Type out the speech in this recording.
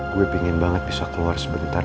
gue pengen banget bisa keluar sebentar